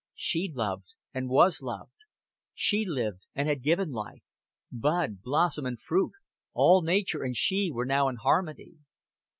She loved, and was loved; she lived, and had given life bud, blossom, and fruit, all nature and she were now in harmony.